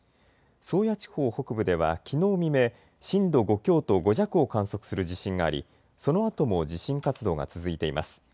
宗谷地方北部ではきのう未明、震度５強と５弱を観測する地震があり、そのあとも地震活動が続いています。